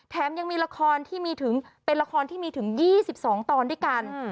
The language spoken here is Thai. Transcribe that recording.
แถมยังมีละครที่มีถึง๒๒ตอนด้วยกัน